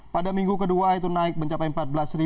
pada minggu kedua itu naik mencapai empat belas